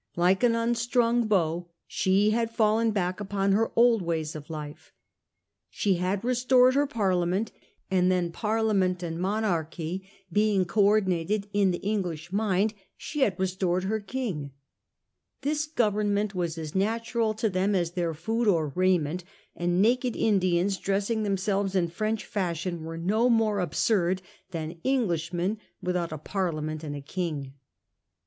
Like an unstrung bow, she had fallen back upon her old ways of life. She had restored her Parliament, and then, Parliament and monarchy being co ordinated in the English mind, she had restored her King. ' This government was as natural to them as their food or raiment, and naked Indians dressing themselves in French fashion were no more absurd than Englishmen withouti a Parliament and a King.' k66o.